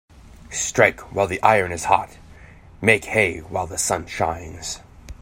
Strike while the iron is hot Make hay while the sun shines.